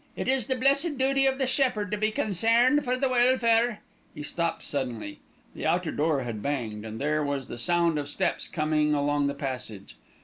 It is the blessed duty of the shepherd to be consairned for the welfare " He stopped suddenly. The outer door had banged, and there was the sound of steps coming along the passage.